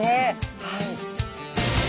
はい。